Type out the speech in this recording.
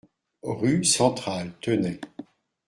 Rue Centrale, Tenay